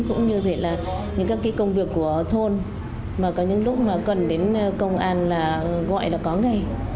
cũng như các công việc của thôn mà có những lúc cần đến công an gọi là có ngày